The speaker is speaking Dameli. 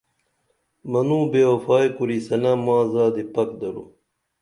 منوں بے وفائی کُرِسنہ ماں زادی پک درو